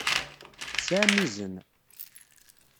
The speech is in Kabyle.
Tesɛam izen.